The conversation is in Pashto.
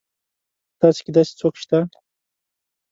په تاسي کې داسې څوک شته.